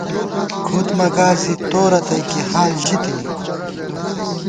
کُھد مہ گاس زی تو رتئ کی حال ژی تِنی